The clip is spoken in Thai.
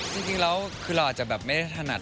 จริงแล้วคือเราอาจจะแบบไม่ได้ถนัด